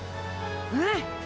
うん！